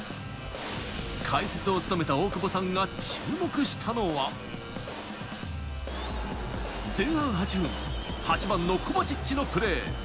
解説を務めた大久保さんが注目したのは、前半８分、８番のコバチッチのプレー。